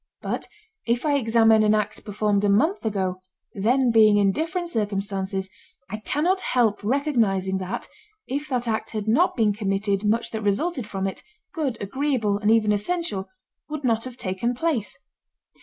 But if I examine an act performed a month ago, then being in different circumstances, I cannot help recognizing that if that act had not been committed much that resulted from it—good, agreeable, and even essential—would not have taken place.